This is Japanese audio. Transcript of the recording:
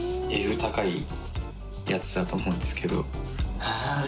高いやつだと思うんですけど。